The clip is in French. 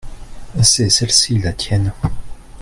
c'est celle-ci la tienne.